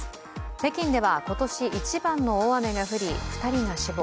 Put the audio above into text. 北京では今年一番の大雨が降り、２人が死亡。